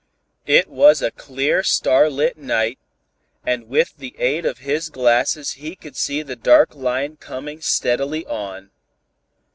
It was a clear starlight night, and with the aid of his glasses he could see the dark line coming steadily on.